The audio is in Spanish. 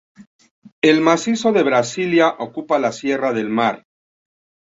El macizo de Brasilia ocupa la Sierra del Mar.